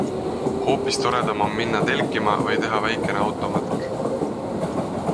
Hoopis toredam on minna telkima või teha väikene automatk.